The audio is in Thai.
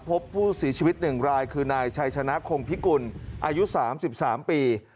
พบผู้สีชีวิตหนึ่งรายคือนายชัยชนะคงพิกุลอายุสามสิบสามปี